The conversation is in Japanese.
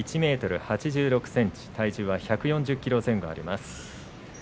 １ｍ８６ｃｍ体重は１４０ｋｇ前後あります。